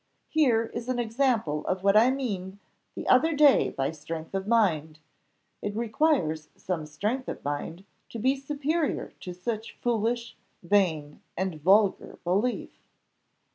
Here is an example of what I meant the other day by strength of mind; it requires some strength of mind to be superior to such a foolish, vain, and vulgar belief."